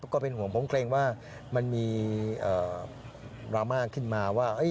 ก็เป็นห่วงผมเกรงว่ามันมีดราม่าขึ้นมาว่า